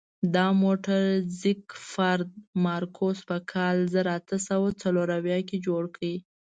دا موټر زیکفرد مارکوس په کال زر اته سوه څلور اویا کې جوړ کړ.